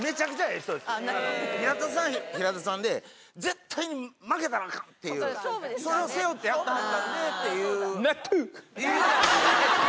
平田さんは平田さんで絶対に負けたらアカンっていうそれを背負ってやってはったんでっていう。